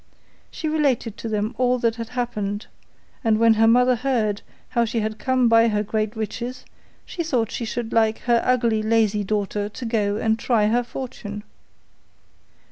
She related to them all that had happened, and when the mother heard how she had come by her great riches, she thought she should like her ugly, lazy daughter to go and try her fortune.